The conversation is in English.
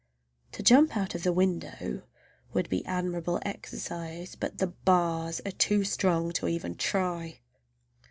To jump out of the window would be admirable exercise, but the bars are too strong even to try.